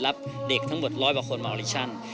รับเด็กทั้งหมดร้อยประควรมาโอลิกชั่น